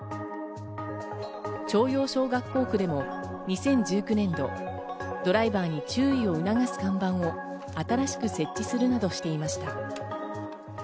朝陽小学校区でも２０１９年度、ドライバーに注意を促す看板を新しく設置するなどしていました。